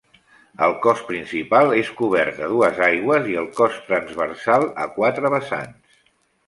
El cos principal és cobert a dues aigües i el cos transversal a quatre vessants.